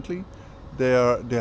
họ giúp tôi